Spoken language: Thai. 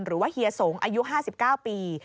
หรือว่าเฮียสงฯอายุ๕๙ปี